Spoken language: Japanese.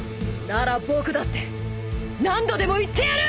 なら僕だって何度でも言ってやる！